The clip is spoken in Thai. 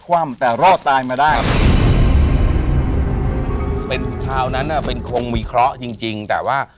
คราวนั้นเป็นคงมีเคราะห์จริงแต่ว่า